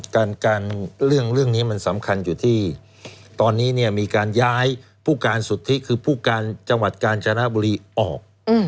การการเรื่องนี้มันสำคัญอยู่ที่ตอนนี้เนี่ยมีการย้ายผู้การสุทธิคือผู้การจังหวัดกาญจนบุรีออก